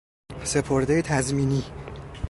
سپردهی تضمینی